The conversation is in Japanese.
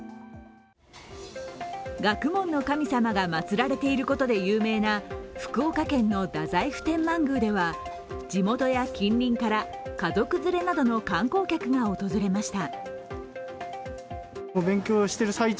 学問の神様がまつられていることで有名な福岡県の太宰府天満宮では地元や近隣から家族連れなどの観光客が訪れました。